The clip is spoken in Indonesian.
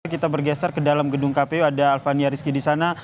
kita bergeser ke dalam gedung kpu ada alvania rizky di sana